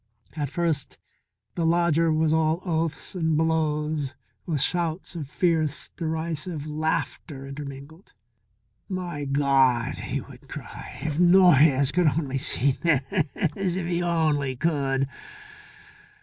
At first the lodger was all oaths and blows with shouts of fierce, derisive laughter intermingled. "My God!" he would cry. "If Noyes could only see this if he only could!"